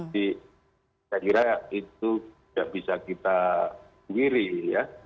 jadi saya kira itu tidak bisa kita ngiri ya